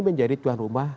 menjadi tuan rumah